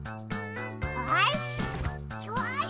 よし！